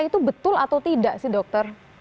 itu betul atau tidak sih dokter